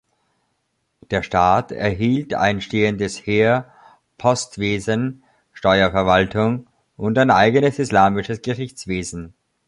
Der Staat erhielt ein stehendes Heer, Postwesen, Steuerverwaltung und ein eigenes islamisches Gerichtswesen.